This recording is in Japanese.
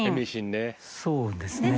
そうですね。